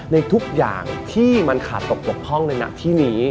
ในทุกอย่างที่มันขาดตกปลกห้องเลยนะที่นี้